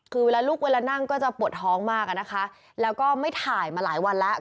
คือเวลาลุกเวลานั่งก็จะปวดท้องมากอะนะคะแล้วก็ไม่ถ่ายมาหลายวันแล้ว